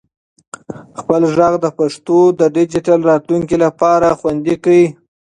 خپل ږغ د پښتو د ډیجیټل راتلونکي لپاره خوندي کړئ.